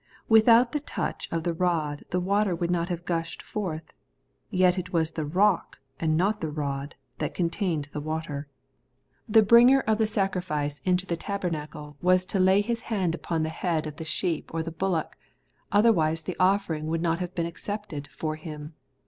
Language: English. Without the touch of the rod the water would not have gushed forth ; yet it was the rock, and not the rod, that contained the water. The briQger of the sacrifice into the tabernacle Not Faith, hut Christ 109 was to lay his hand upon the head of the sheep or the bullock, otherwise the offering would not have been accepted for him.